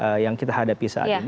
apa yang kita hadapi saat ini